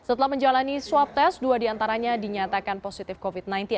setelah menjalani swab test dua diantaranya dinyatakan positif covid sembilan belas